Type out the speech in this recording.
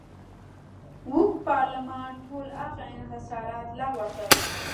اوږد پارلمان ټول هغه انحصارات لغوه کړل.